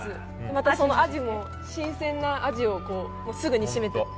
また、そのアジも新鮮なアジをすぐに締めて。